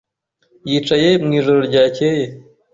Yicaye mu ijoro ryakeye.